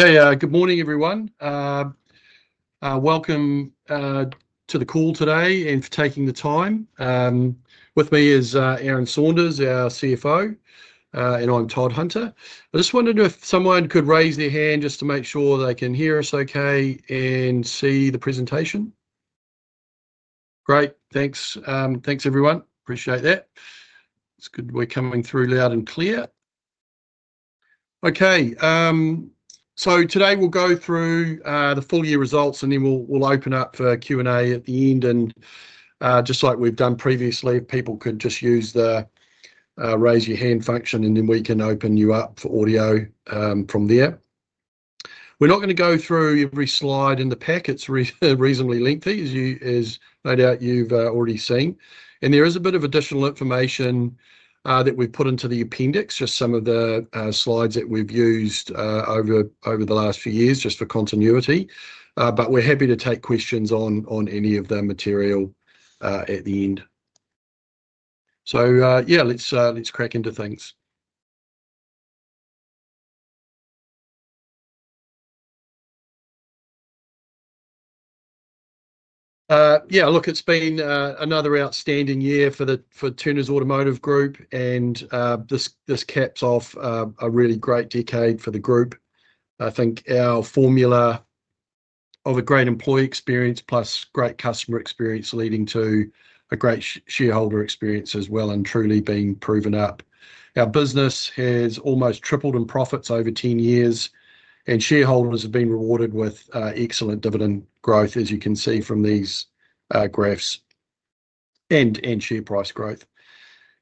Okay, good morning, everyone. Welcome to the call today and for taking the time. With me is Aaron Saunders, our CFO, and I'm Todd Hunter. I just wondered if someone could raise their hand just to make sure they can hear us okay and see the presentation. Great, thanks. Thanks, everyone. Appreciate that. It's good we're coming through loud and clear. Okay, today we'll go through the full year results, and then we'll open up for Q&A at the end. Just like we've done previously, if people could just use the raise your hand function, and then we can open you up for audio from there. We're not going to go through every slide in the pack. It's reasonably lengthy, as no doubt you've already seen. There is a bit of additional information that we've put into the appendix, just some of the slides that we've used over the last few years just for continuity. We are happy to take questions on any of the material at the end. Yeah, let's crack into things. Yeah, look, it's been another outstanding year for Turners Automotive Group, and this caps off a really great decade for the group. I think our formula of a great employee experience plus great customer experience leading to a great shareholder experience is well and truly being proven up. Our business has almost tripled in profits over 10 years, and shareholders have been rewarded with excellent dividend growth, as you can see from these graphs and share price growth.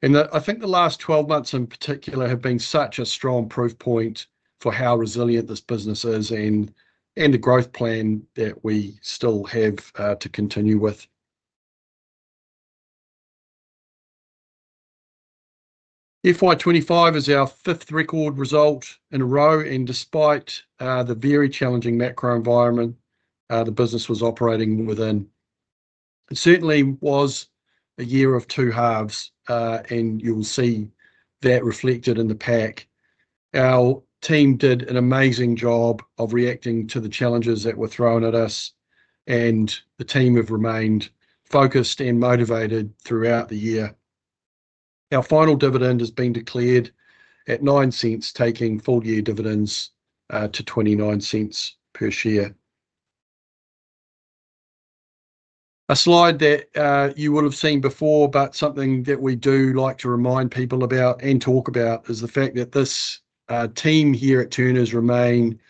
I think the last 12 months in particular have been such a strong proof point for how resilient this business is and the growth plan that we still have to continue with. FY 2025 is our fifth record result in a row, and despite the very challenging macro environment the business was operating within. It certainly was a year of two halves, and you will see that reflected in the pack. Our team did an amazing job of reacting to the challenges that were thrown at us, and the team have remained focused and motivated throughout the year. Our final dividend has been declared at 0.09, taking full year dividends to 0.29 per share. A slide that you would have seen before, but something that we do like to remind people about and talk about is the fact that this team here at Turners remain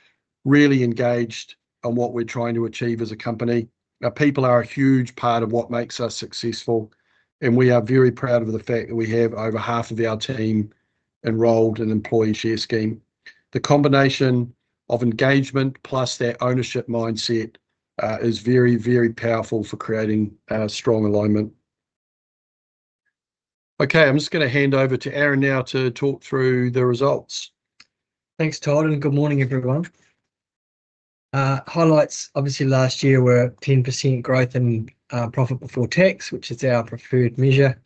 really engaged on what we're trying to achieve as a company. Now, people are a huge part of what makes us successful, and we are very proud of the fact that we have over half of our team enrolled in the employee share scheme. The combination of engagement plus that ownership mindset is very, very powerful for creating strong alignment. Okay, I'm just going to hand over to Aaron now to talk through the results. Thanks, Todd. Good morning, everyone. Highlights, obviously, last year were 10% growth in profit before tax, which is our preferred measure,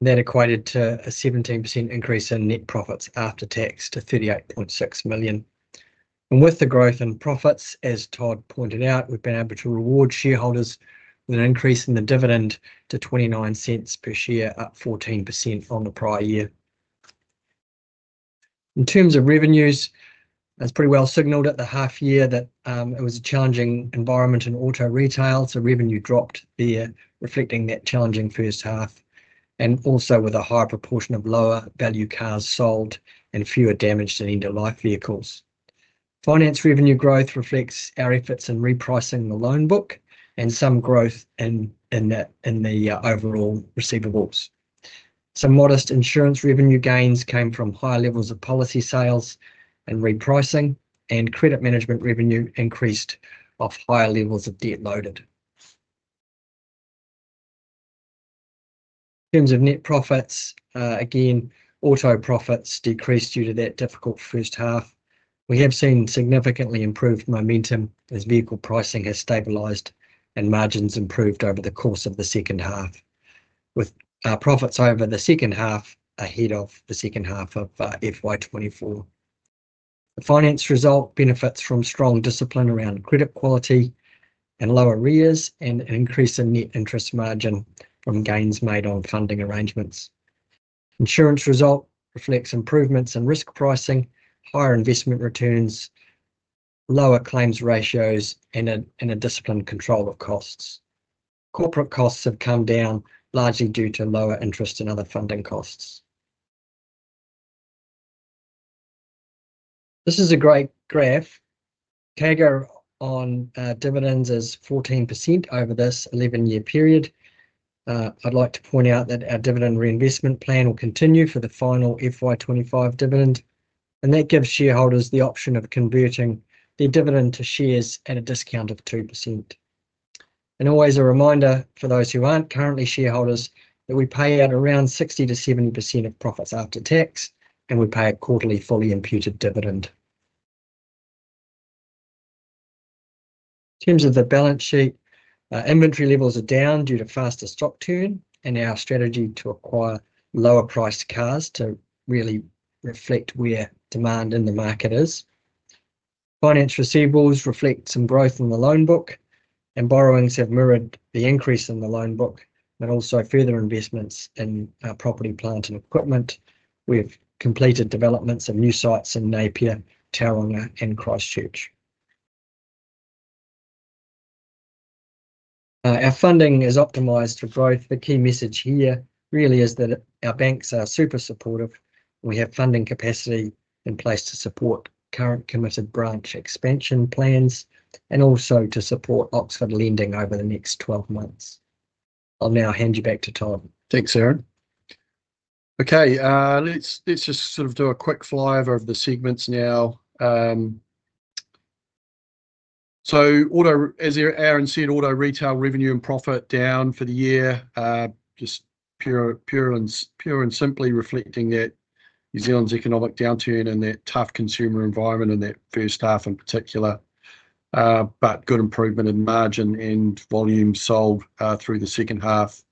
and that equated to a 17% increase in net profits after tax to 38.6 million. With the growth in profits, as Todd pointed out, we've been able to reward shareholders with an increase in the dividend to 0.29 per share, up 14% on the prior year. In terms of revenues, it's pretty well signaled at the half year that it was a challenging environment in auto retail, so revenue dropped there, reflecting that challenging first half, and also with a higher proportion of lower value cars sold and fewer damaged and end-of-life vehicles. Finance revenue growth reflects our efforts in repricing the loan book and some growth in the overall receivables. Some modest insurance revenue gains came from higher levels of policy sales and repricing, and credit management revenue increased off higher levels of debt loaded. In terms of net profits, again, auto profits decreased due to that difficult first half. We have seen significantly improved momentum as vehicle pricing has stabilized and margins improved over the course of the second half, with profits over the second half ahead of the second half of 2024. The finance result benefits from strong discipline around credit quality and lower arrears and an increase in net interest margin from gains made on funding arrangements. Insurance result reflects improvements in risk pricing, higher investment returns, lower claims ratios, and a disciplined control of costs. Corporate costs have come down largely due to lower interest and other funding costs. This is a great graph. CAGR on dividends is 14% over this 11-year period. I'd like to point out that our Dividend Reinvestment Plan will continue for the final FY 2025 dividend, and that gives shareholders the option of converting their dividend to shares at a discount of 2%. Always a reminder for those who aren't currently shareholders that we pay out around 60%-70% of profits after tax, and we pay a quarterly fully imputed dividend. In terms of the balance sheet, inventory levels are down due to faster stock turn and our strategy to acquire lower-priced cars to really reflect where demand in the market is. Finance receivables reflect some growth in the loan book, and borrowings have mirrored the increase in the loan book and also further investments in our property, plant, and equipment. We've completed developments of new sites in Napier, Tauranga, and Christchurch. Our funding is optimized for growth. The key message here really is that our banks are super supportive. We have funding capacity in place to support current committed branch expansion plans and also to support Oxford lending over the next 12 months. I'll now hand you back to Todd. Thanks, Aaron. Okay, let's just sort of do a quick flyover of the segments now. As Aaron said, auto retail revenue and profit down for the year, just pure and simply reflecting that New Zealand's economic downturn and that tough consumer environment in that first half in particular, but good improvement in margin and volume sold through the second half.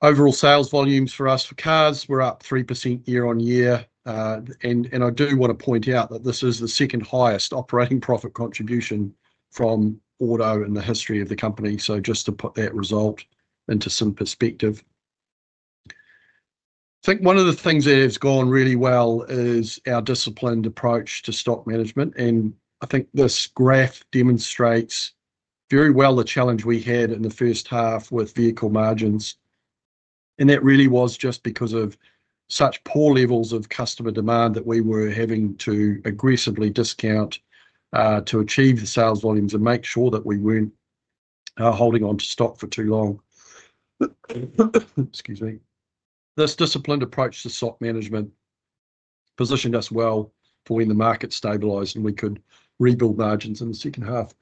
Overall sales volumes for us for cars, we're up 3% year-on-year. I do want to point out that this is the second highest operating profit contribution from auto in the history of the company. Just to put that result into some perspective, I think one of the things that has gone really well is our disciplined approach to stock management. I think this graph demonstrates very well the challenge we had in the first half with vehicle margins. That really was just because of such poor levels of customer demand that we were having to aggressively discount to achieve the sales volumes and make sure that we were not holding on to stock for too long. Excuse me. This disciplined approach to stock management positioned us well for when the market stabilized and we could rebuild margins in the second half.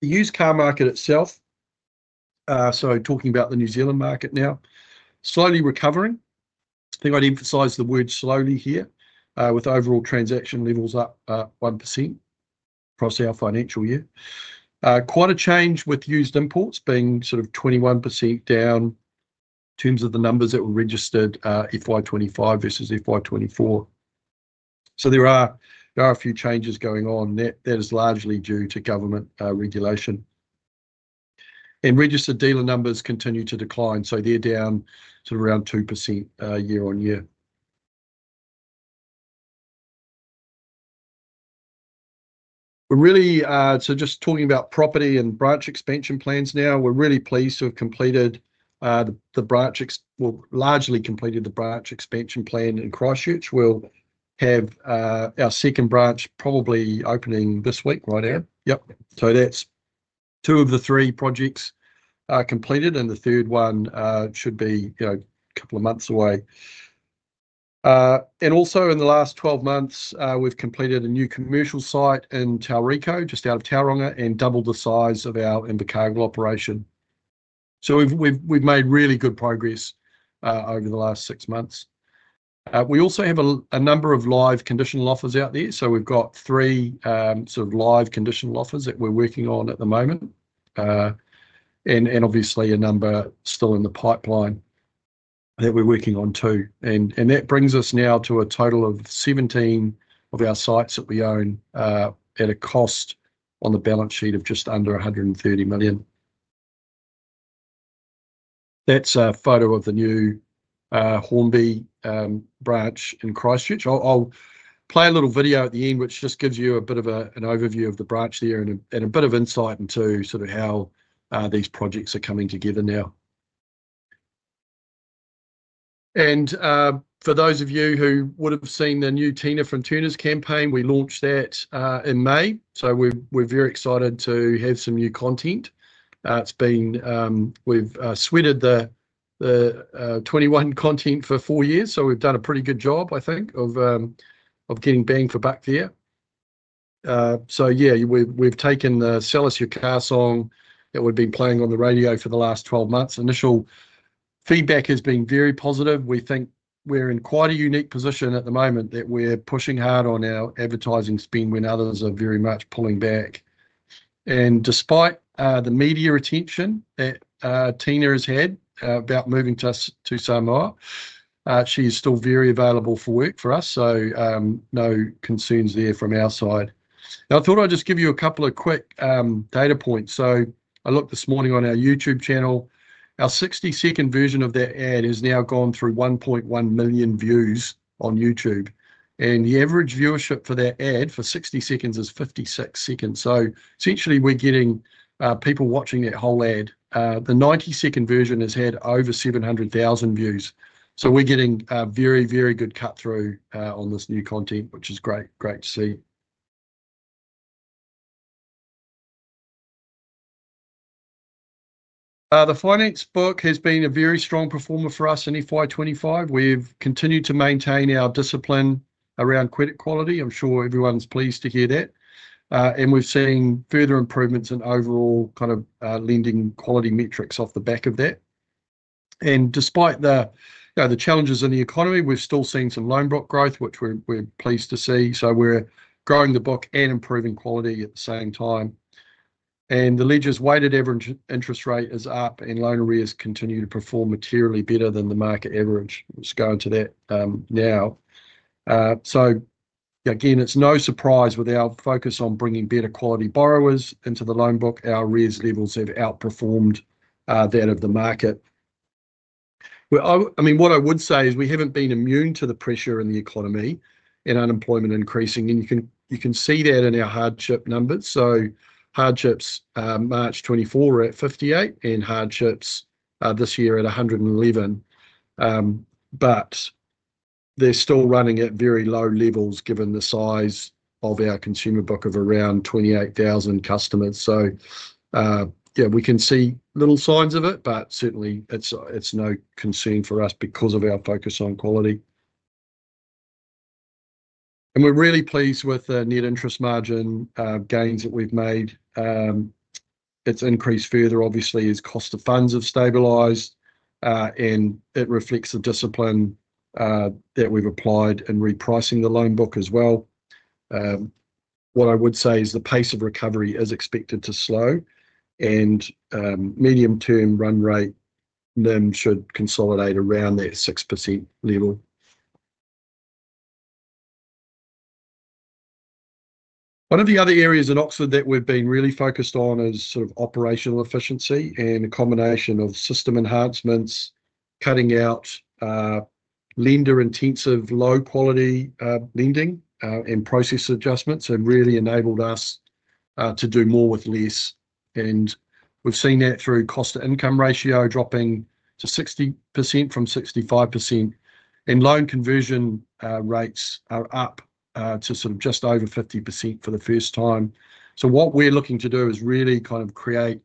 The used car market itself, talking about the New Zealand market now, is slowly recovering. I think I would emphasize the word slowly here with overall transaction levels up 1% across our financial year. Quite a change with used imports being sort of 21% down in terms of the numbers that were registered in 2025 versus 2024. There are a few changes going on. That is largely due to government regulation. Registered dealer numbers continue to decline, so they are down to around 2% year-on-year. Just talking about property and branch expansion plans now, we're really pleased to have completed the branch, well, largely completed the branch expansion plan in Christchurch. We'll have our second branch probably opening this week, right, Aaron? Yeah. Yep. That is two of the three projects completed, and the third one should be a couple of months away. Also, in the last 12 months, we have completed a new commercial site in Tauriko, just out of Tauranga, and doubled the size of our damaged vehicle operation. We have made really good progress over the last six months. We also have a number of live conditional offers out there. We have three sort of live conditional offers that we are working on at the moment, and obviously a number still in the pipeline that we are working on too. That brings us now to a total of 17 of our sites that we own at a cost on the balance sheet of just under 130 million. That is a photo of the new Hornby branch in Christchurch. I'll play a little video at the end, which just gives you a bit of an overview of the branch there and a bit of insight into sort of how these projects are coming together now. For those of you who would have seen the new Tina from Turners campaign, we launched that in May. We're very excited to have some new content. We've sweated the 2021 content for four years, so we've done a pretty good job, I think, of getting bang for buck there. We've taken the "Sell Us Your Car" song that we've been playing on the radio for the last 12 months. Initial feedback has been very positive. We think we're in quite a unique position at the moment that we're pushing hard on our advertising spend when others are very much pulling back. Despite the media attention that Tina has had about moving to Samoa, she is still very available for work for us, so no concerns there from our side. I thought I'd just give you a couple of quick data points. I looked this morning on our YouTube channel. Our 60-second version of that ad has now gone through 1.1 million views on YouTube. The average viewership for that ad for 60 seconds is 56 seconds. Essentially, we're getting people watching that whole ad. The 90-second version has had over 700,000 views. We're getting a very, very good cut-through on this new content, which is great to see. The finance book has been a very strong performer for us in FY 2025. We've continued to maintain our discipline around credit quality. I'm sure everyone's pleased to hear that. We have seen further improvements in overall kind of lending quality metrics off the back of that. Despite the challenges in the economy, we have still seen some loan book growth, which we are pleased to see. We are growing the book and improving quality at the same time. The ledger's weighted average interest rate is up, and loan arrears continue to perform materially better than the market average. We will just go into that now. Again, it is no surprise with our focus on bringing better quality borrowers into the loan book. Our arrears levels have outperformed that of the market. I mean, what I would say is we have not been immune to the pressure in the economy and unemployment increasing. You can see that in our hardship numbers. Hardships March 2024 were at 58, and hardships this year at 111. They're still running at very low levels given the size of our consumer book of around 28,000 customers. Yeah, we can see little signs of it, but certainly it's no concern for us because of our focus on quality. We're really pleased with the net interest margin gains that we've made. It's increased further, obviously, as cost of funds have stabilized, and it reflects the discipline that we've applied in repricing the loan book as well. What I would say is the pace of recovery is expected to slow, and medium-term run rate should consolidate around that 6% level. One of the other areas in Oxford that we've been really focused on is sort of operational efficiency and a combination of system enhancements, cutting out lender-intensive low-quality lending and process adjustments, and really enabled us to do more with less. We have seen that through cost-to-income ratio dropping to 60% from 65%. Loan conversion rates are up to sort of just over 50% for the first time. What we are looking to do is really kind of create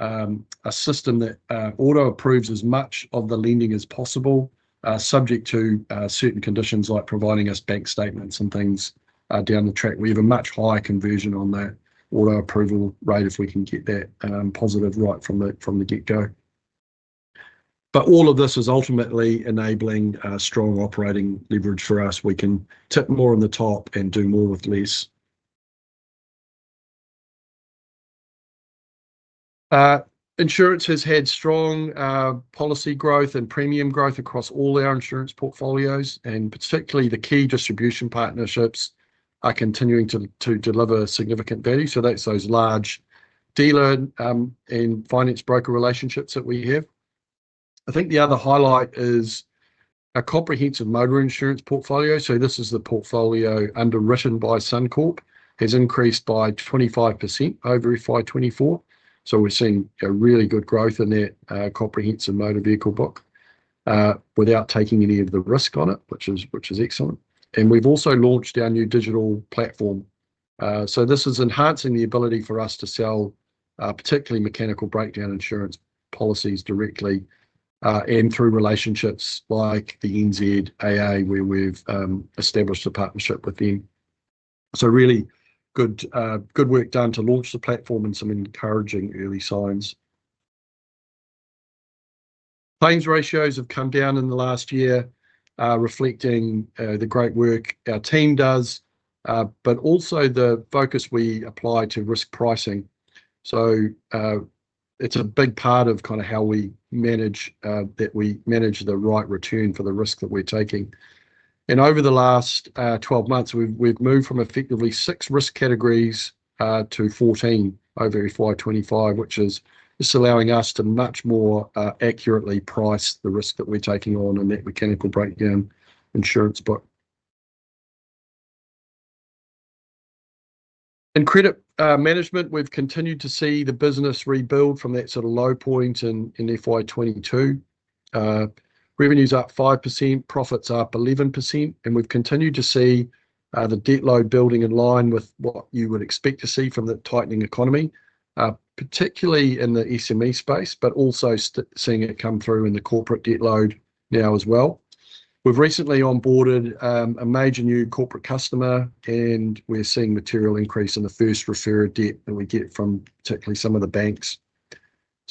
a system that auto-approves as much of the lending as possible, subject to certain conditions like providing us bank statements and things down the track. We have a much higher conversion on that auto-approval rate if we can get that positive right from the get-go. All of this is ultimately enabling strong operating leverage for us. We can tip more on the top and do more with less. Insurance has had strong policy growth and premium growth across all our insurance portfolios, and particularly the key distribution partnerships are continuing to deliver significant value. That is those large dealer and finance broker relationships that we have. I think the other highlight is a comprehensive motor insurance portfolio. This is the portfolio underwritten by Suncorp, has increased by 25% over FY 2024. We are seeing really good growth in that comprehensive motor vehicle book without taking any of the risk on it, which is excellent. We have also launched our new digital platform. This is enhancing the ability for us to sell particularly mechanical breakdown insurance policies directly and through relationships like the NZAA, where we have established a partnership with them. Really good work done to launch the platform and some encouraging early signs. Claims ratios have come down in the last year, reflecting the great work our team does, but also the focus we apply to risk pricing. It is a big part of how we manage that we manage the right return for the risk that we are taking. Over the last 12 months, we have moved from effectively six risk categories to 14 over FY 2025, which is allowing us to much more accurately price the risk that we are taking on in that mechanical breakdown insurance book. In credit management, we have continued to see the business rebuild from that sort of low point in FY 2022. Revenues up 5%, profits up 11%, and we have continued to see the debt load building in line with what you would expect to see from the tightening economy, particularly in the SME space, but also seeing it come through in the corporate debt load now as well. We have recently onboarded a major new corporate customer, and we are seeing material increase in the first referrer debt that we get from particularly some of the banks.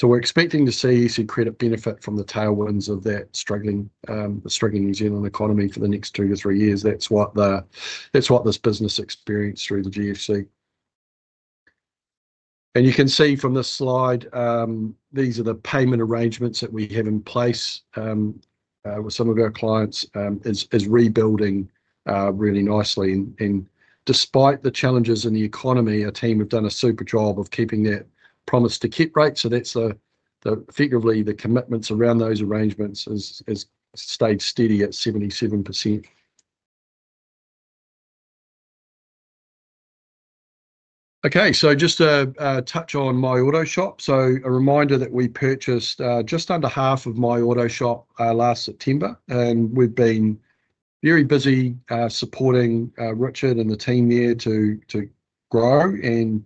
We're expecting to see some credit benefit from the tailwinds of that struggling New Zealand economy for the next two to three years. That's what this business experienced through the GFC. You can see from this slide, these are the payment arrangements that we have in place with some of our clients, is rebuilding really nicely. Despite the challenges in the economy, our team have done a super job of keeping that promise to keep rates. That's effectively the commitments around those arrangements has stayed steady at 77%. Okay, just to touch on My Auto Shop. A reminder that we purchased just under half of My Auto Shop last September, and we've been very busy supporting Richard and the team there to grow and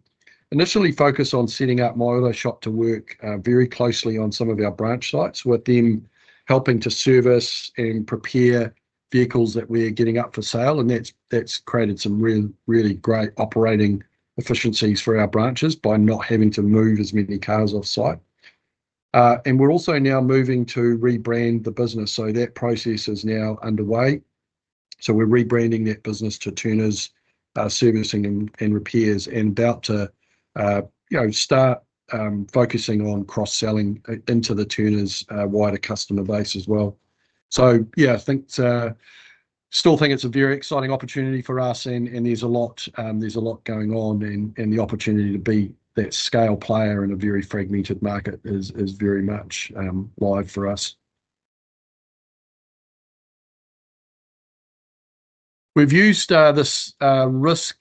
initially focus on setting up My Auto Shop to work very closely on some of our branch sites with them helping to service and prepare vehicles that we're getting up for sale. That has created some really, really great operating efficiencies for our branches by not having to move as many cars off-site. We're also now moving to rebrand the business. That process is now underway. We're rebranding that business to Turners Servicing and Repairs and about to start focusing on cross-selling into the Turners wider customer base as well. Yeah, I still think it's a very exciting opportunity for us, and there's a lot going on, and the opportunity to be that scale player in a very fragmented market is very much live for us. We've used this risk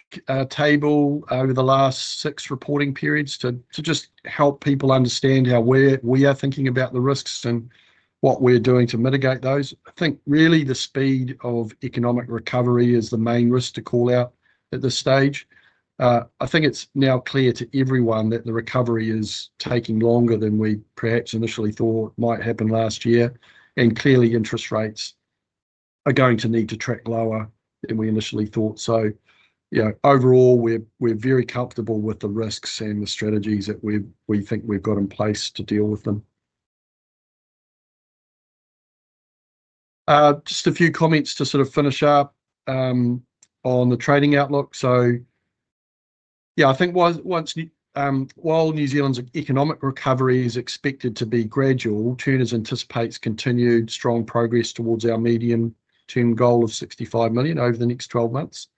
table over the last six reporting periods to just help people understand how we are thinking about the risks and what we're doing to mitigate those. I think really the speed of economic recovery is the main risk to call out at this stage. I think it's now clear to everyone that the recovery is taking longer than we perhaps initially thought might happen last year. Clearly, interest rates are going to need to track lower than we initially thought. Overall, we're very comfortable with the risks and the strategies that we think we've got in place to deal with them. Just a few comments to sort of finish up on the trading outlook. Yeah, I think while New Zealand's economic recovery is expected to be gradual, Turners anticipates continued strong progress towards our medium-term goal of $65 million over the next 12 months.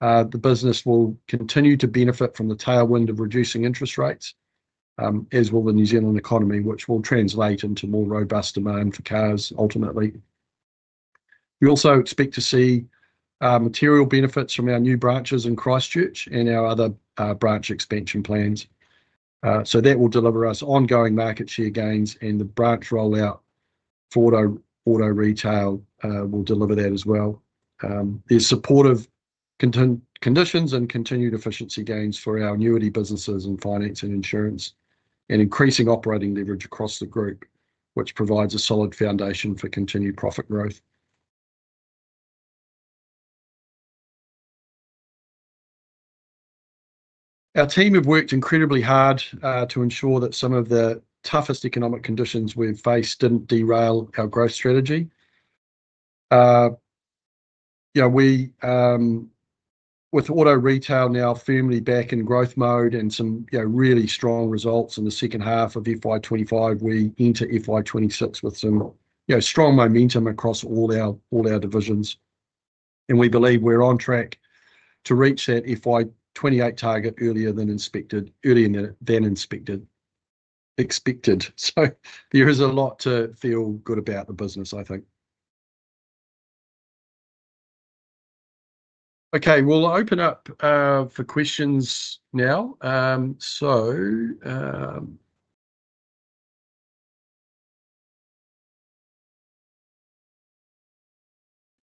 The business will continue to benefit from the tailwind of reducing interest rates, as will the New Zealand economy, which will translate into more robust demand for cars ultimately. We also expect to see material benefits from our new branches in Christchurch and our other branch expansion plans. That will deliver us ongoing market share gains, and the branch rollout for auto retail will deliver that as well. There are supportive conditions and continued efficiency gains for our annuity businesses in finance and insurance, and increasing operating leverage across the group, which provides a solid foundation for continued profit growth. Our team have worked incredibly hard to ensure that some of the toughest economic conditions we've faced did not derail our growth strategy. With auto retail now firmly back in growth mode and some really strong results in the second half of FY 2025, we enter FY 2026 with some strong momentum across all our divisions. We believe we are on track to reach that FY 2028 target earlier than expected. There is a lot to feel good about the business, I think. Okay, we will open up for questions now. If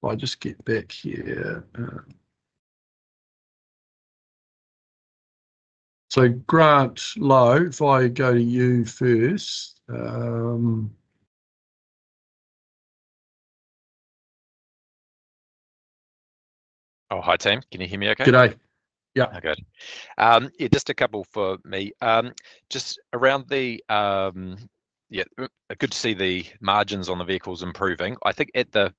I just get back here. Grant Lowe, if I go to you first. Oh, hi team. Can you hear me okay? Good day. Yeah. Okay. Yeah, just a couple for me. Just around the, yeah, good to see the margins on the vehicles improving. I think at the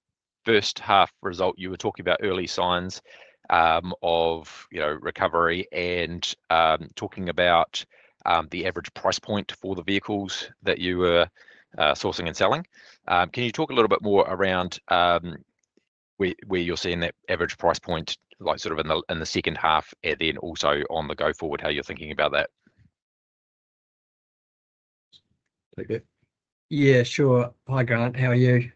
first half result, you were talking about early signs of recovery and talking about the average price point for the vehicles that you were sourcing and selling. Can you talk a little bit more around where you're seeing that average price point, like sort of in the second half, and then also on the go forward, how you're thinking about that? Yeah, sure. Hi, Grant. How are you?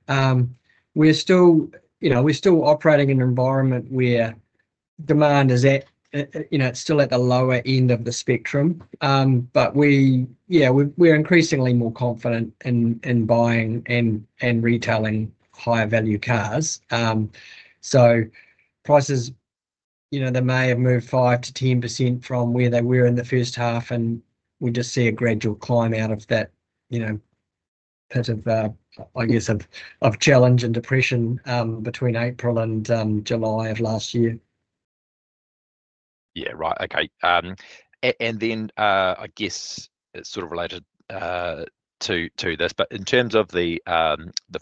We're still operating in an environment where demand is at, it's still at the lower end of the spectrum. Yeah, we're increasingly more confident in buying and retailing higher value cars. Prices, they may have moved 5%-10% from where they were in the first half, and we just see a gradual climb out of that sort of, I guess, of challenge and depression between April and July of last year. Yeah, right. Okay. I guess it's sort of related to this, but in terms of the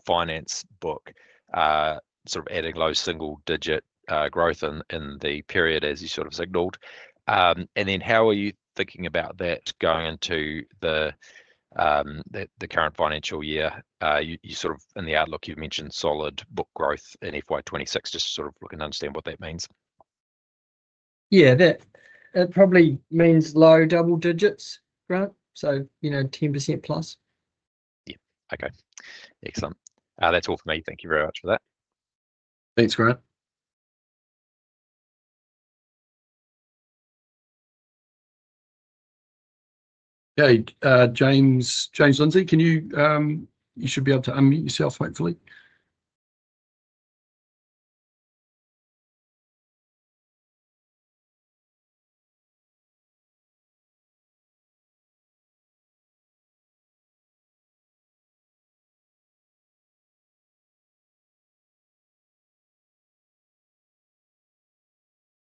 finance book, sort of adding low single-digit growth in the period, as you sort of signaled. How are you thinking about that going into the current financial year? You sort of, in the outlook, you've mentioned solid book growth in FY 2026. Just sort of looking to understand what that means. Yeah, it probably means low double digits, Grant. So 10%+. Yeah. Okay. Excellent. That's all for me. Thank you very much for that. Thanks, Grant. Okay. James Lindsay, you should be able to unmute yourself, hopefully.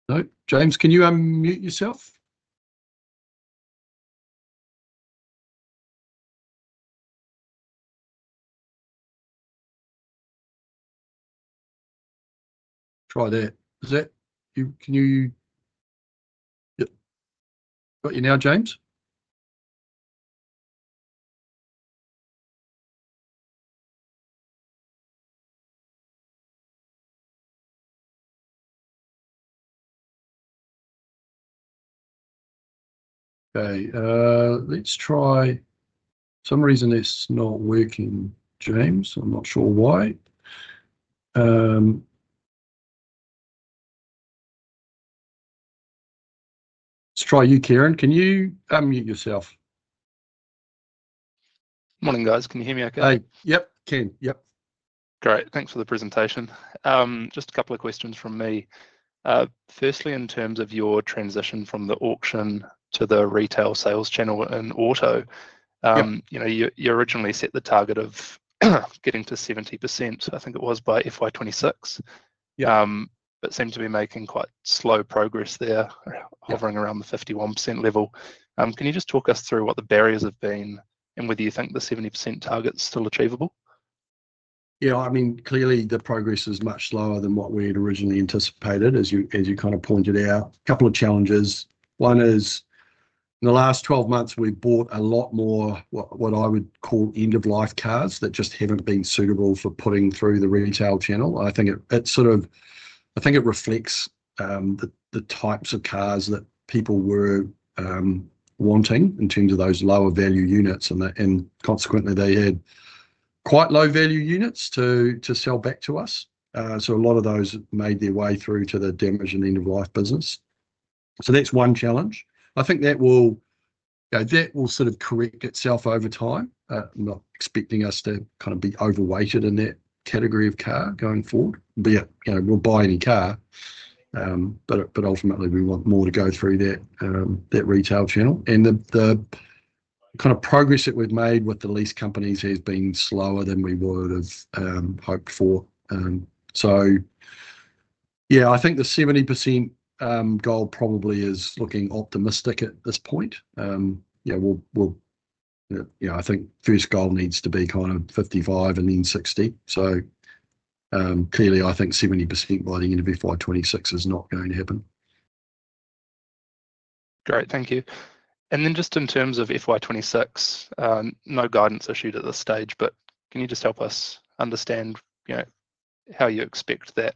Nope. James, can you unmute yourself? Try that. Can you get you now, James? Okay. Let's try. For some reason, it's not working, James. I'm not sure why. Let's try you, Karen. Can you unmute yourself? Morning, guys. Can you hear me okay? Hey. Yep. Can. Yep. Great. Thanks for the presentation. Just a couple of questions from me. Firstly, in terms of your transition from the auction to the retail sales channel in auto, you originally set the target of getting to 70%, I think it was, by FY 2026. But seemed to be making quite slow progress there, hovering around the 51% level. Can you just talk us through what the barriers have been and whether you think the 70% target's still achievable? Yeah. I mean, clearly, the progress is much slower than what we had originally anticipated, as you kind of pointed out. A couple of challenges. One is, in the last 12 months, we bought a lot more what I would call end-of-life cars that just haven't been suitable for putting through the retail channel. I think it sort of, I think it reflects the types of cars that people were wanting in terms of those lower value units. Consequently, they had quite low value units to sell back to us. A lot of those made their way through to the damage and end-of-life business. That is one challenge. I think that will sort of correct itself over time. I'm not expecting us to kind of be overweighted in that category of car going forward. Yeah, we'll buy any car. Ultimately, we want more to go through that retail channel. The kind of progress that we've made with the lease companies has been slower than we would have hoped for. Yeah, I think the 70% goal probably is looking optimistic at this point. I think first goal needs to be kind of 55 and then 60. Clearly, I think 70% by the end of FY 2026 is not going to happen. Great. Thank you. In terms of FY 2026, no guidance issued at this stage. Can you just help us understand how you expect that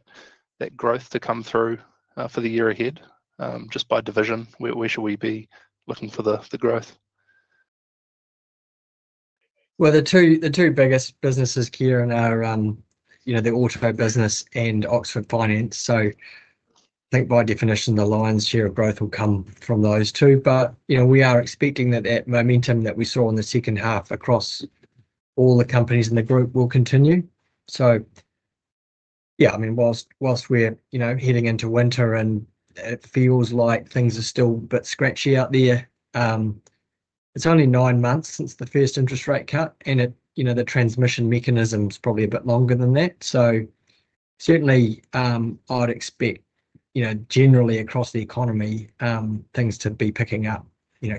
growth to come through for the year ahead just by division? Where should we be looking for the growth? The two biggest businesses here are the auto business and Oxford Finance. I think by definition, the lion's share of growth will come from those two. We are expecting that momentum that we saw in the second half across all the companies in the group will continue. Yeah, I mean, whilst we're heading into winter and it feels like things are still a bit scratchy out there, it's only nine months since the first interest rate cut, and the transmission mechanism is probably a bit longer than that. Certainly, I'd expect generally across the economy, things to be picking up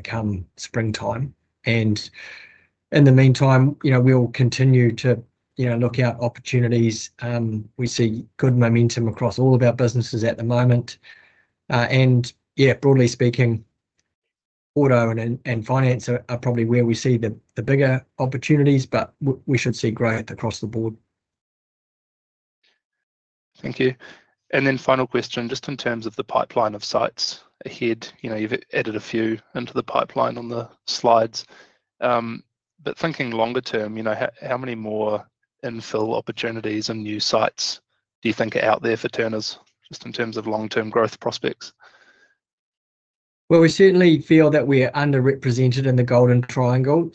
come springtime. In the meantime, we'll continue to look at opportunities. We see good momentum across all of our businesses at the moment. Yeah, broadly speaking, auto and finance are probably where we see the bigger opportunities, but we should see growth across the board. Thank you. Final question, just in terms of the pipeline of sites ahead. You've added a few into the pipeline on the slides. Thinking longer term, how many more infill opportunities and new sites do you think are out there for Turners just in terms of long-term growth prospects? We certainly feel that we're underrepresented in the Golden Triangle.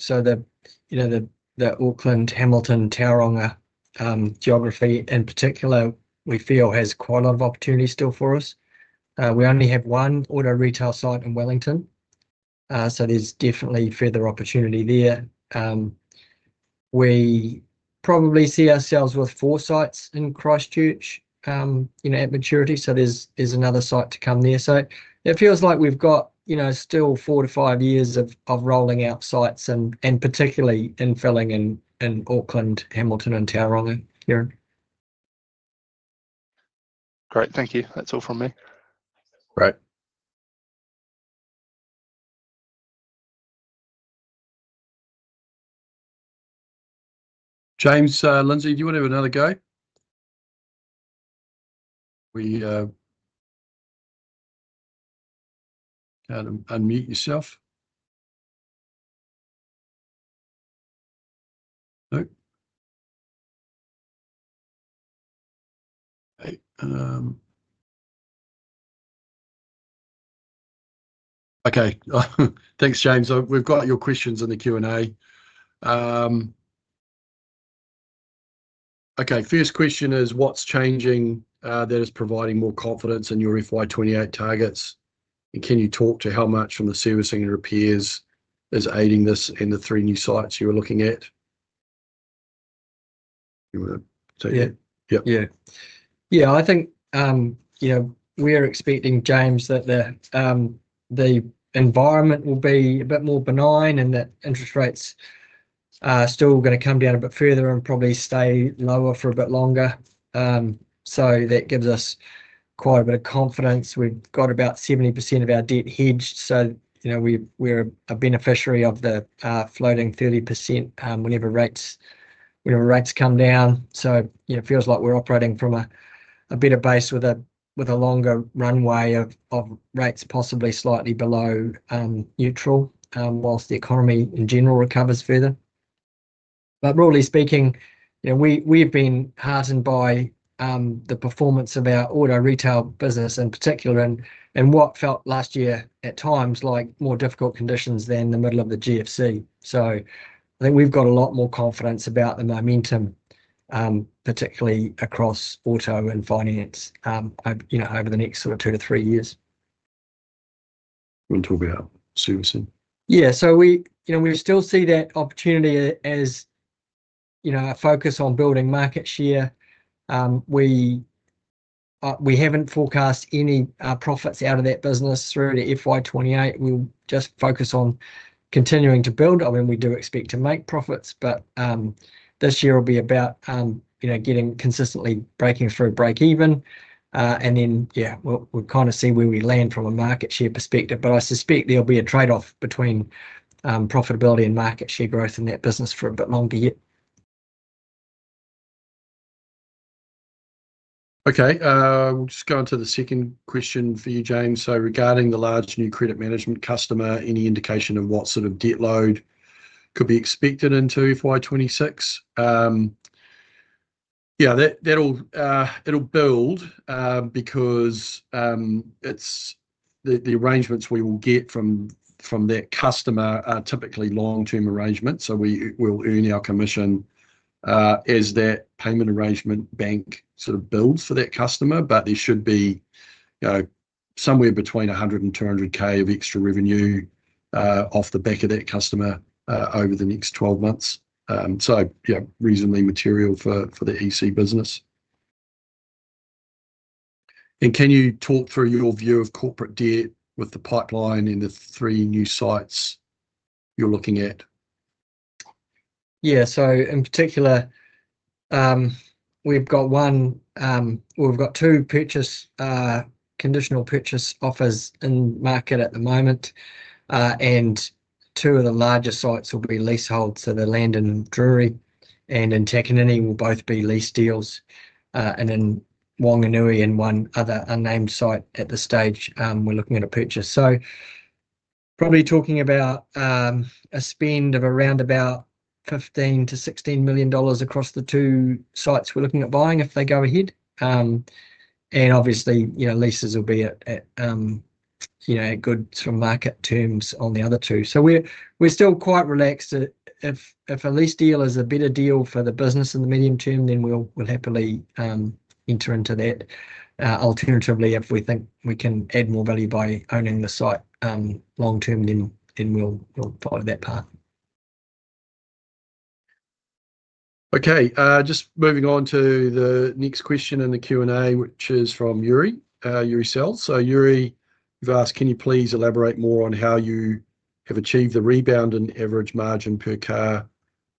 The Auckland, Hamilton, Tauranga geography in particular, we feel has quite a lot of opportunity still for us. We only have one auto retail site in Wellington, so there's definitely further opportunity there. We probably see ourselves with four sites in Christchurch at maturity, so there's another site to come there. It feels like we've got still four to five years of rolling out sites and particularly infilling in Auckland, Hamilton, and Tauranga, Karen. Great. Thank you. That's all from me. Great. James Lindsay, do you want to have another go? Unmute yourself. Nope. Okay. Thanks, James. We've got your questions in the Q&A. Okay. First question is, what's changing that is providing more confidence in your FY 2028 targets? And can you talk to how much from the servicing and repairs is aiding this in the three new sites you were looking at? Yeah. I think we're expecting, James, that the environment will be a bit more benign and that interest rates are still going to come down a bit further and probably stay lower for a bit longer. That gives us quite a bit of confidence. We've got about 70% of our debt hedged. We're a beneficiary of the floating 30% whenever rates come down. It feels like we're operating from a better base with a longer runway of rates possibly slightly below neutral whilst the economy in general recovers further. But broadly speaking, we have been heartened by the performance of our auto retail business in particular and what felt last year at times like more difficult conditions than the middle of the GFC. I think we've got a lot more confidence about the momentum, particularly across auto and finance over the next sort of two to three years. You want to talk about servicing? Yeah. We still see that opportunity as a focus on building market share. We haven't forecast any profits out of that business through the FY 2028. We'll just focus on continuing to build. I mean, we do expect to make profits, but this year will be about getting consistently breaking through break-even. Then, yeah, we'll kind of see where we land from a market share perspective. But I suspect there'll be a trade-off between profitability and market share growth in that business for a bit longer yet. Okay. We'll just go on to the second question for you, James. So regarding the large new credit management customer, any indication of what sort of debt load could be expected into FY 2026? Yeah, that'll build because the arrangements we will get from that customer are typically long-term arrangements. We will earn our commission as that payment arrangement bank sort of builds for that customer. There should be somewhere between 100,000-200,000 of extra revenue off the back of that customer over the next 12 months. Yeah, reasonably material for the EC business. Can you talk through your view of corporate debt with the pipeline in the three new sites you're looking at? Yeah. In particular, we've got two conditional purchase offers in market at the moment. Two of the larger sites will be leaseholds. The land in Drury and in Takapuna will both be lease deals. In Whanganui and one other unnamed site at this stage, we're looking at a purchase. Probably talking about a spend of around $15 million-$16 million across the two sites we're looking at buying if they go ahead. Obviously, leases will be at good sort of market terms on the other two. We're still quite relaxed. If a lease deal is a better deal for the business in the medium term, then we'll happily enter into that. Alternatively, if we think we can add more value by owning the site long-term, then we'll follow that path. Okay. Just moving on to the next question in the Q&A, which is from Jori, Jori Sels. So Jori, you've asked, can you please elaborate more on how you have achieved the rebound in average margin per car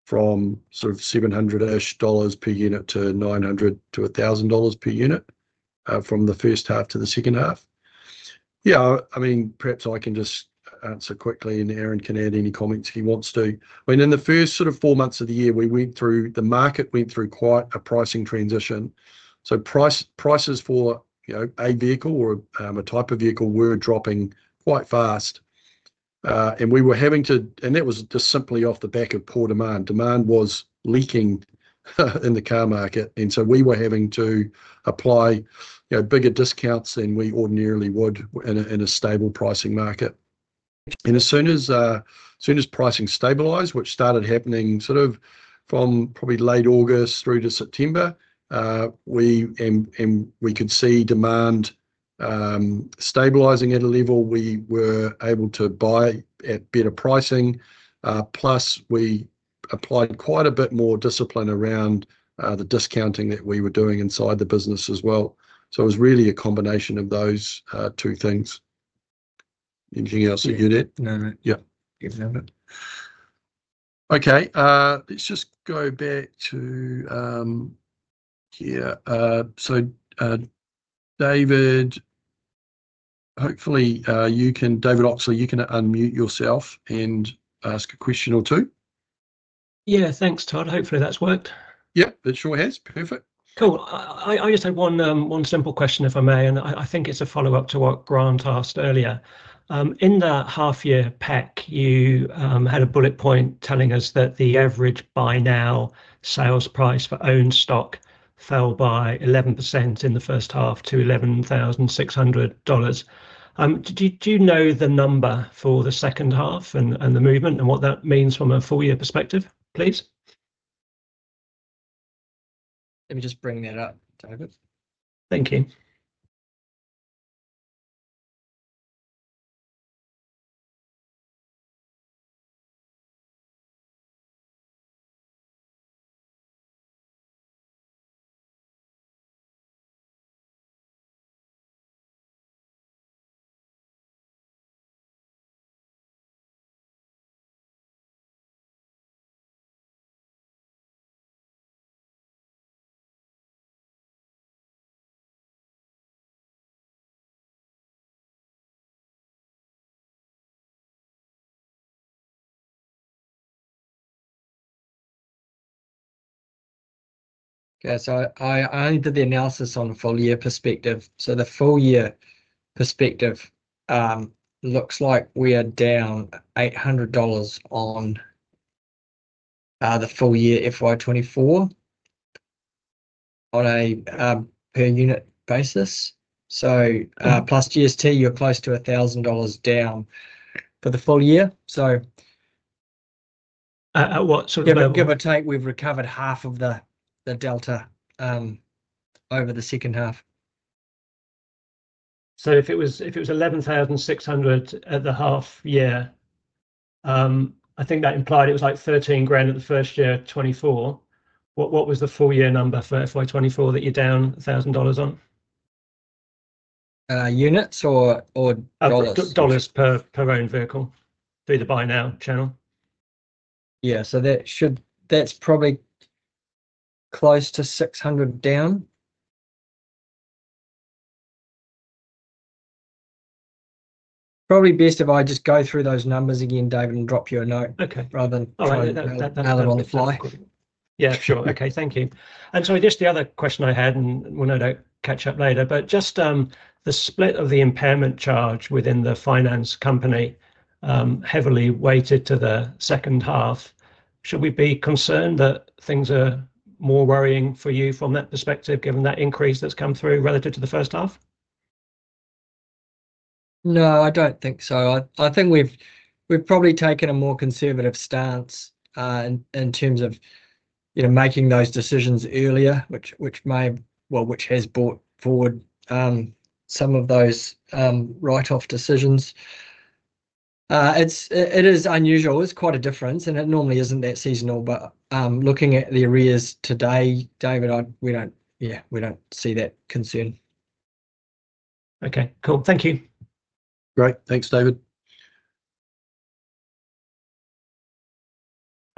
from sort of $700-ish per unit to $900-$1,000 per unit from the first half to the second half? Yeah. I mean, perhaps I can just answer quickly, and Aaron can add any comments he wants to. I mean, in the first sort of four months of the year, we went through, the market went through quite a pricing transition. So prices for a vehicle or a type of vehicle were dropping quite fast. And we were having to, and that was just simply off the back of poor demand. Demand was leaking in the car market. We were having to apply bigger discounts than we ordinarily would in a stable pricing market. As soon as pricing stabilized, which started happening probably from late August through to September, and we could see demand stabilizing at a level, we were able to buy at better pricing. Plus, we applied quite a bit more discipline around the discounting that we were doing inside the business as well. It was really a combination of those two things. Anything else that you'd add? No. No. Yep. Okay. Let's just go back to here. David, hopefully, you can, David Oxley, you can unmute yourself and ask a question or two. Yeah. Thanks, Todd. Hopefully, that's worked. Yep. It sure has. Perfect. Cool. I just have one simple question if I may. I think it's a follow-up to what Grant asked earlier. In the half-year pack, you had a bullet point telling us that the average Buy Now sales price for own stock fell by 11% in the first half to $11,600. Do you know the number for the second half and the movement and what that means from a four-year perspective, please? Let me just bring that up, David. Thank you. Okay. I entered the analysis on a full-year perspective. The full-year perspective looks like we are down $800 on the full-year FY 2024 on a per-unit basis. Plus GST, you are close to $1,000 down for the full year. At what sort of level? Give or take, we have recovered half of the delta over the second half. If it was $11,600 at the half-year, I think that implied it was like $13,000 at the first year, 2024. What was the full-year number for FY 2024 that you're down $1,000 on? Units or dollars? Dollars per own vehicle through the buy-now channel. Yeah. So that's probably close to $600 down. Probably best if I just go through those numbers again, David, and drop you a note rather than have them on the fly. Yeah. Sure. Okay. Thank you. Sorry, just the other question I had, and we'll no doubt catch up later, but just the split of the impairment charge within the finance company heavily weighted to the second half. Should we be concerned that things are more worrying for you from that perspective given that increase that's come through relative to the first half? No, I don't think so. I think we've probably taken a more conservative stance in terms of making those decisions earlier, which may, well, which has brought forward some of those write-off decisions. It is unusual. It's quite a difference. It normally isn't that seasonal. Looking at the arrears today, David, yeah, we don't see that concern. Okay. Cool. Thank you. Great. Thanks, David.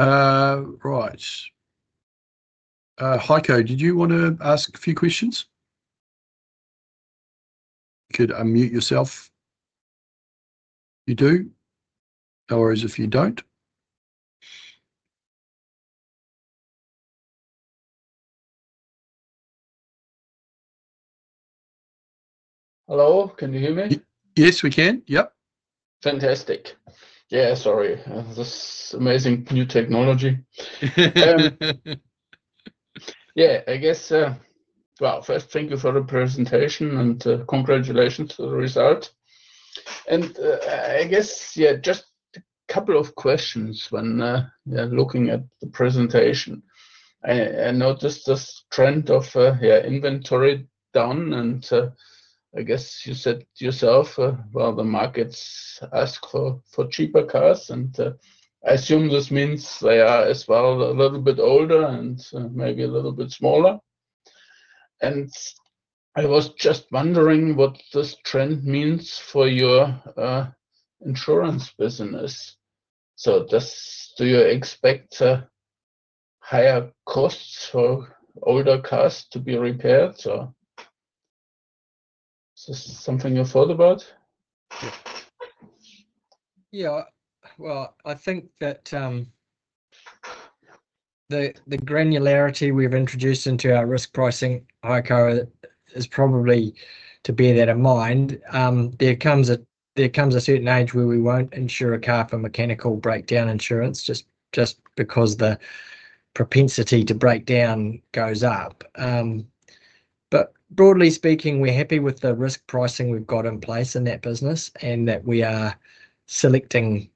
Right. Heiko, did you want to ask a few questions? You could unmute yourself if you do, or as if you don't. Hello? Can you hear me? Yes, we can. Yep. Fantastic. Yeah. Sorry. This amazing new technology. Yeah. I guess, first, thank you for the presentation and congratulations on the result. I guess, yeah, just a couple of questions when looking at the presentation. I noticed this trend of inventory down. I guess you said yourself, the markets ask for cheaper cars. I assume this means they are as well a little bit older and maybe a little bit smaller. I was just wondering what this trend means for your insurance business. Do you expect higher costs for older cars to be repaired? Is this something you've thought about? Yeah. I think that the granularity we've introduced into our risk pricing, Heiko, is probably to bear that in mind. There comes a certain age where we won't insure a car for mechanical breakdown insurance just because the propensity to break down goes up. Broadly speaking, we're happy with the risk pricing we've got in place in that business and that we are selecting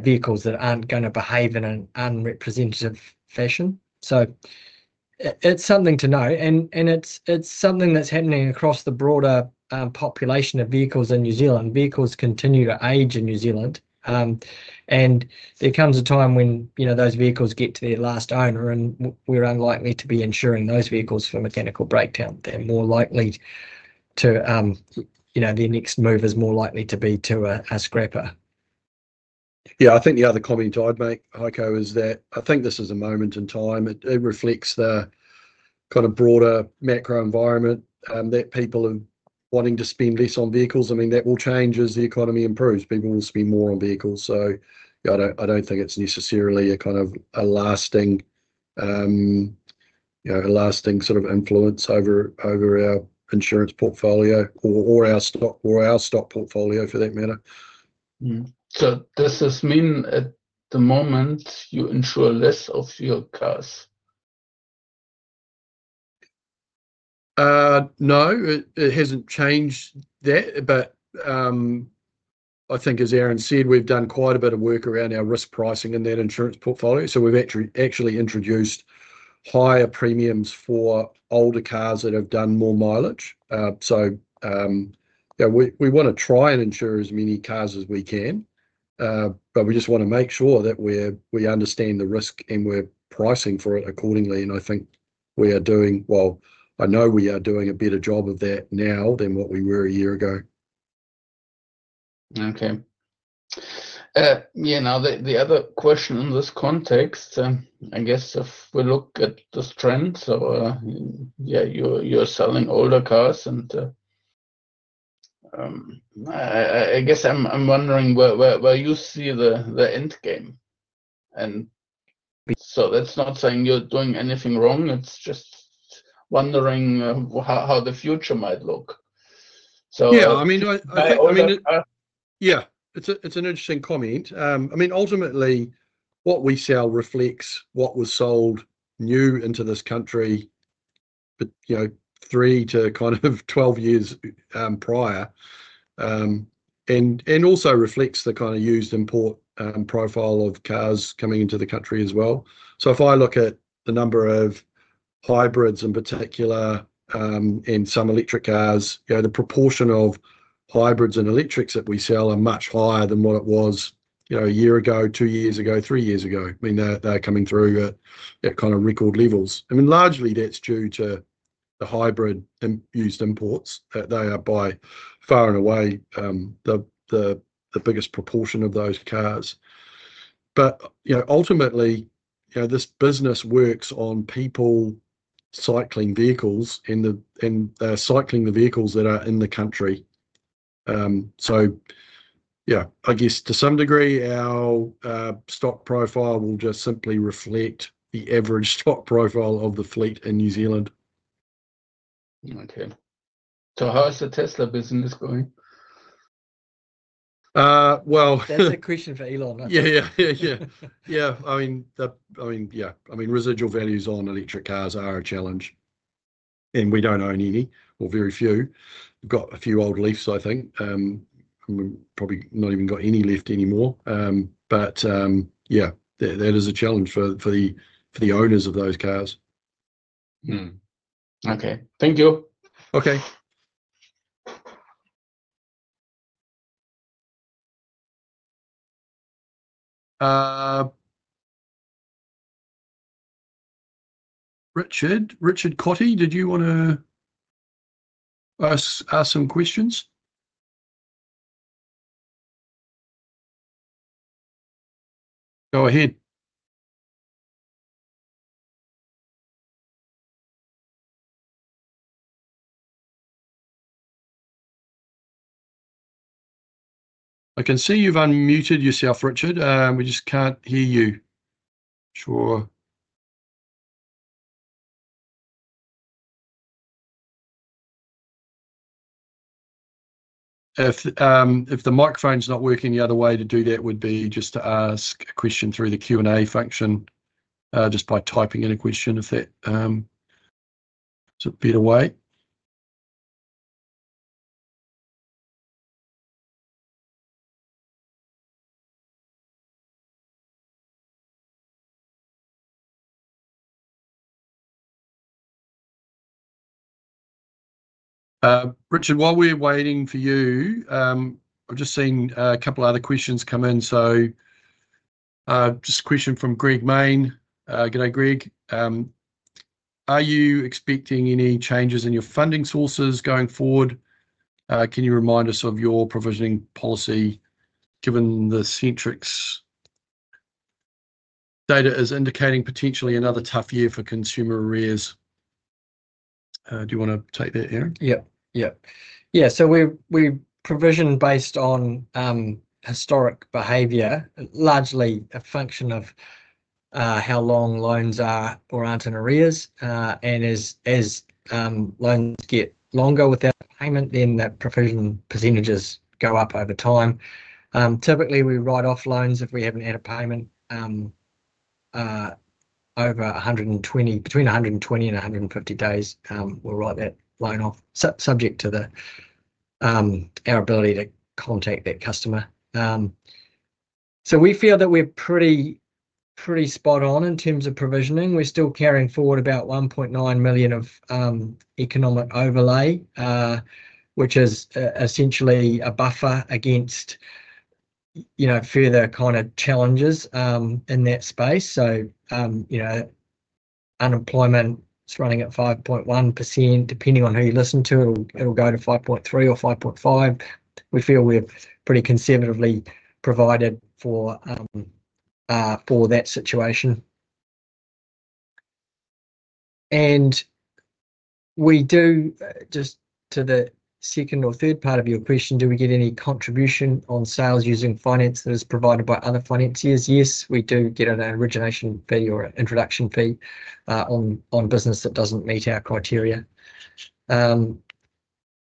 vehicles that aren't going to behave in an unrepresentative fashion. It's something to know. It's something that's happening across the broader population of vehicles in New Zealand. Vehicles continue to age in New Zealand. There comes a time when those vehicles get to their last owner, and we're unlikely to be insuring those vehicles for mechanical breakdown. Their next move is more likely to be to a scrapper. Yeah. I think the other comment I'd make, Heiko, is that I think this is a moment in time. It reflects the kind of broader macro environment that people are wanting to spend less on vehicles. I mean, that will change as the economy improves. People will spend more on vehicles. I don't think it's necessarily a kind of a lasting sort of influence over our insurance portfolio or our stock portfolio for that matter. Does this mean at the moment you insure less of your cars? No. It hasn't changed that. I think, as Aaron said, we've done quite a bit of work around our risk pricing in that insurance portfolio. We've actually introduced higher premiums for older cars that have done more mileage. We want to try and insure as many cars as we can. We just want to make sure that we understand the risk and we're pricing for it accordingly. I think we are doing well, I know we are doing a better job of that now than what we were a year ago. Okay. Yeah. The other question in this context, I guess if we look at this trend, yeah, you're selling older cars. I guess I'm wondering where you see the end game. That's not saying you're doing anything wrong. It's just wondering how the future might look. I mean, yeah, it's an interesting comment. I mean, ultimately, what we sell reflects what was sold new into this country three to kind of 12 years prior and also reflects the kind of used import profile of cars coming into the country as well. If I look at the number of hybrids in particular and some electric cars, the proportion of hybrids and electrics that we sell are much higher than what it was a year ago, two years ago, three years ago. I mean, they're coming through at kind of record levels. I mean, largely, that's due to the hybrid and used imports. They are by far and away the biggest proportion of those cars. Ultimately, this business works on people cycling vehicles and cycling the vehicles that are in the country. Yeah, I guess to some degree, our stock profile will just simply reflect the average stock profile of the fleet in New Zealand. Okay. How is the Tesla business going? That is a question for Elon, I think. Yeah. I mean, residual values on electric cars are a challenge. We do not own any or very few. We have got a few old Leafs, I think. We have probably not even got any left anymore. That is a challenge for the owners of those cars. Okay. Thank you. Okay. Richard, Richard Cotty, did you want to ask some questions? Go ahead. I can see you have unmuted yourself, Richard. We just cannot hear you. Sure. If the microphone's not working the other way, to do that would be just to ask a question through the Q&A function just by typing in a question if that's a better way. Richard, while we're waiting for you, I've just seen a couple of other questions come in. Just a question from Greg Main. G'day, Greg. Are you expecting any changes in your funding sources going forward? Can you remind us of your provisioning policy given the Centrix data is indicating potentially another tough year for consumer arrears? Do you want to take that, Aaron? Yep. Yep. Yeah. We provision based on historic behavior, largely a function of how long loans are or aren't in arrears. As loans get longer without payment, then that provision percentages go up over time. Typically, we write off loans if we have not had a payment over between 120-150 days. We will write that loan off, subject to our ability to contact that customer. We feel that we are pretty spot on in terms of provisioning. We are still carrying forward about 1.9 million of economic overlay, which is essentially a buffer against further kind of challenges in that space. Unemployment is running at 5.1%. Depending on who you listen to, it will go to 5.3% or 5.5%. We feel we have pretty conservatively provided for that situation. Just to the second or third part of your question, do we get any contribution on sales using finance that is provided by other financiers? Yes, we do get an origination fee or an introduction fee on business that does not meet our criteria.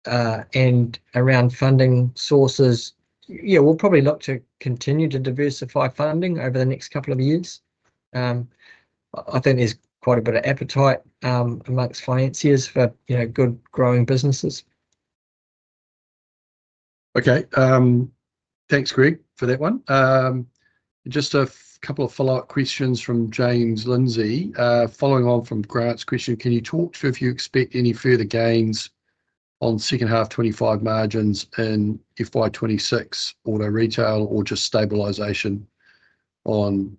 Around funding sources, yeah, we'll probably look to continue to diversify funding over the next couple of years. I think there's quite a bit of appetite amongst financiers for good growing businesses. Okay. Thanks, Greg, for that one. Just a couple of follow-up questions from James Lindsay. Following on from Grant's question, can you talk to if you expect any further gains on second half 2025 margins in FY 2026 auto retail or just stabilisation on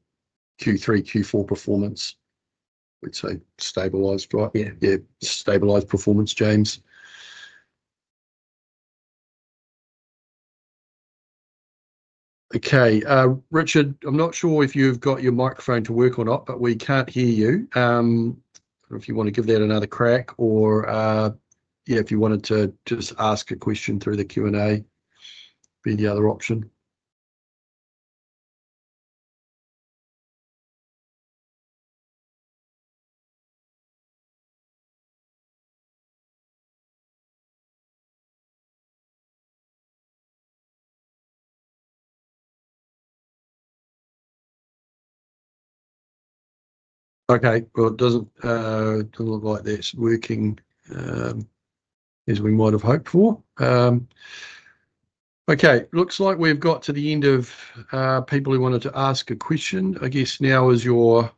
Q3, Q4 performance? We'd say stabilised, right? Yeah. Yeah. Stabilised performance, James. Okay. Richard, I'm not sure if you've got your microphone to work or not, but we can't hear you. I don't know if you want to give that another crack or, yeah, if you wanted to just ask a question through the Q&A would be the other option. It doesn't look like that's working as we might have hoped for. Okay. Looks like we've got to the end of people who wanted to ask a question. I guess now is your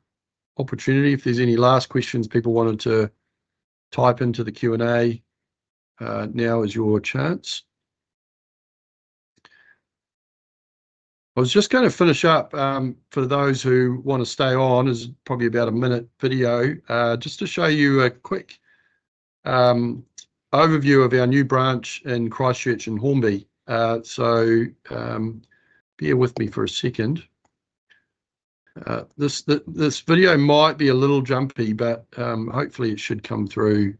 opportunity. If there's any last questions people wanted to type into the Q&A, now is your chance. I was just going to finish up for those who want to stay on. It's probably about a minute video. Just to show you a quick overview of our new branch in Christchurch and Hornby. Bear with me for a second. This video might be a little jumpy, but hopefully, it should come through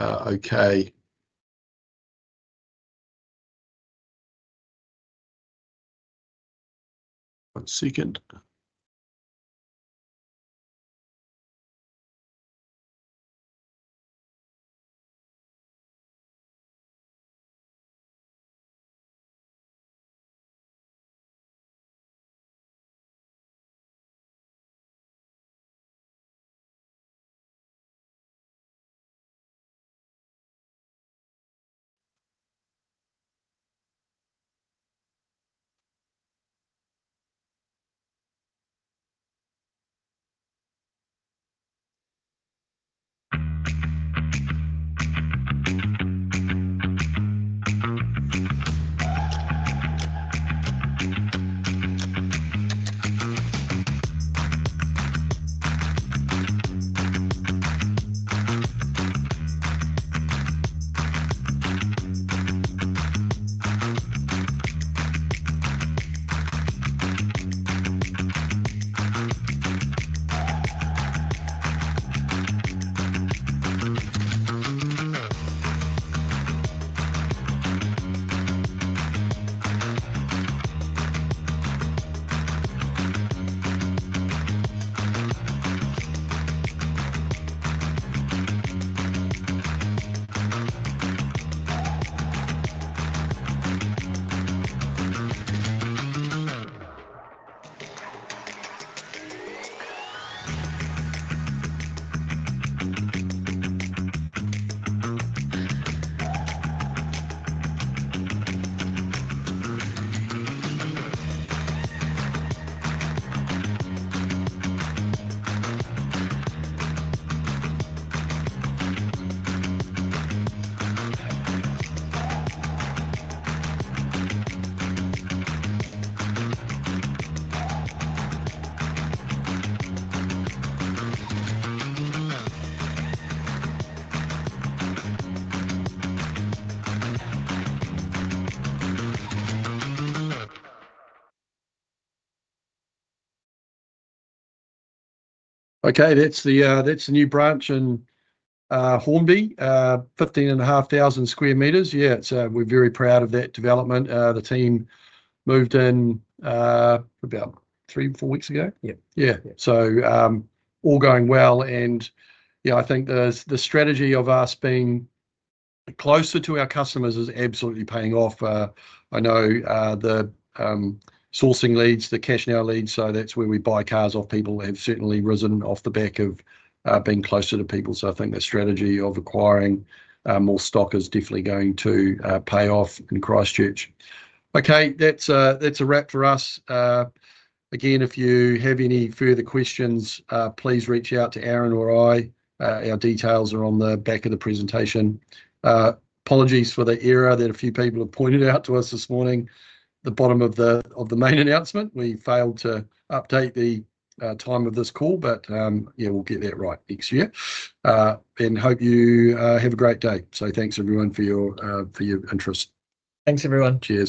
okay. One second. Okay. That's the new branch in Hornby, 15,500 sq m. Yeah. We're very proud of that development. The team moved in about three, four weeks ago. Yeah. All going well. Yeah, I think the strategy of us being closer to our customers is absolutely paying off. I know the sourcing leads, the cash now leads. That is where we buy cars off people, have certainly risen off the back of being closer to people. I think the strategy of acquiring more stock is definitely going to pay off in Christchurch. Okay. That is a wrap for us. Again, if you have any further questions, please reach out to Aaron or me. Our details are on the back of the presentation. Apologies for the error that a few people have pointed out to us this morning, the bottom of the main announcement. We failed to update the time of this call, but we will get that right next year. Hope you have a great day. Thanks, everyone, for your interest. Thanks, everyone. Cheers.